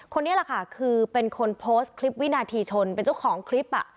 คนนี้แหละค่ะคือเป็นคนโพสต์คลิปวินาทีชนเป็นเจ้าของคลิป